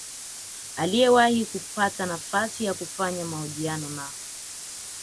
aliyewahi kupata nafasi ya kufanya mahojiano na